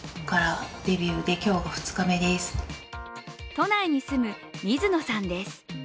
都内に住む水野さんです。